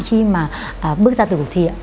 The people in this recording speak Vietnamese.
khi mà bước ra từ cuộc thi